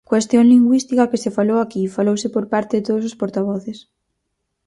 Cuestión lingüística, que se falou aquí, falouse por parte de todos os portavoces.